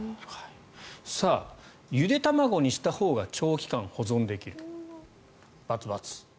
ゆで卵にしたほうが長期間保存できる。×、×。